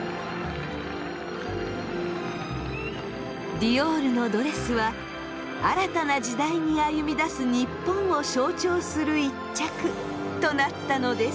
ディオールのドレスは新たな時代に歩みだす日本を象徴する一着となったのです。